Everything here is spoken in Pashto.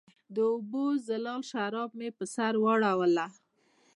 د اوبو زلال شراب مې پر سر واړوله